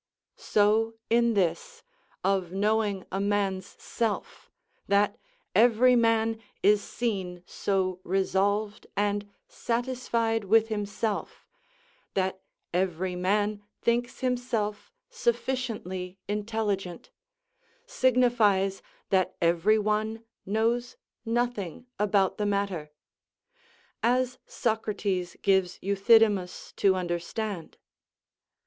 So in this, "of knowing a man's self," that every man is seen so resolved and satisfied with himself, that every man thinks himself sufficiently intelligent, signifies that every one knows nothing about the matter; as Socrates gives Euthydemus to understand.